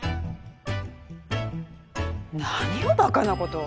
・何をバカなことを！